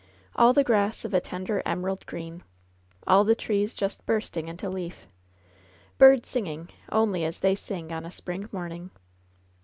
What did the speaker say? All the grass of a tender emerald green. All the trees just bursting into leaf. Birds singing only as they sing on a spring morning.